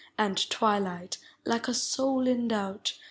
And twilight, like a soul in doubt.